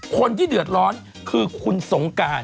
คนที่เดือดร้อนคือคุณสงการ